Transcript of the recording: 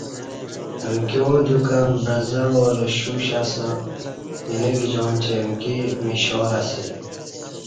امکیاں دیوکں بعزہ والہ شوش اسہ اینہ گجاعں چہ امکی میشالہ اسی